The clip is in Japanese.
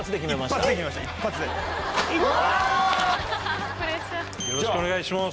よろしくお願いします。